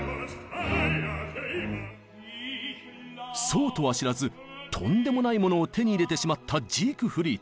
そうとは知らずとんでもないものを手に入れてしまったジークフリート。